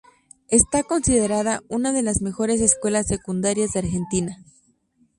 Está considerada una de las mejores escuelas secundarias de Argentina.